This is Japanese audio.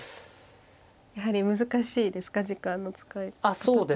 やはり難しいですか時間の使い方っていうのは。